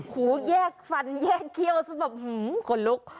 โอ้โหแยกฟันแยกเคี้ยวซึ่งแบบหือขนลุก